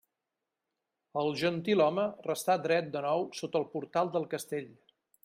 El gentilhome restà dret de nou sota el portal del castell.